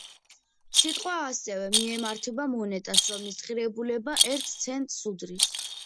სიტყვა ასევე, მიემართება მონეტას, რომლის ღირებულება ერთ ცენტს უდრის.